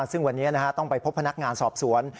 ซึ่งวันนี้ต้องไปพบพนักงานสอบสวน